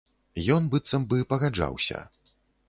Ён быццам бы пагаджаўся.